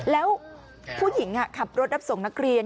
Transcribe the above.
แล้วผู้หญิงขับรถรับส่งนักเรียน